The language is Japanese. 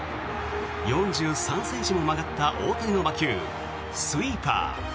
４３ｃｍも曲がった大谷の魔球、スイーパー。